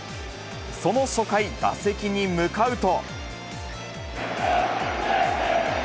その初回、打席に向かうと。